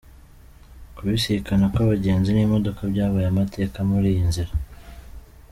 Kubisikana kw’abagenzi n’imodoka byabaye amateka muri iyi nzira.